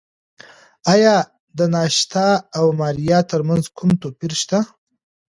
ایا د ناتاشا او ماریا ترمنځ کوم توپیر شته؟